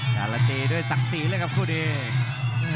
ด้านละตีด้วยศักดิ์ศรีแล้วครับคู่เดชน์